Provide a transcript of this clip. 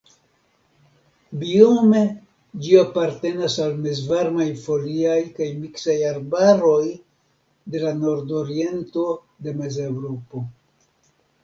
Biome ĝi apartenas al mezvarmaj foliaj kaj miksaj arbaroj de la nordoriento de Mezeŭropo.